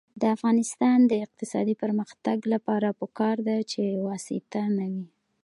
د افغانستان د اقتصادي پرمختګ لپاره پکار ده چې واسطه نه وي.